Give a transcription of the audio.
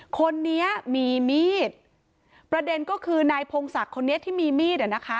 คนนี้มีมีดประเด็นก็คือนายพงศักดิ์คนนี้ที่มีมีดอ่ะนะคะ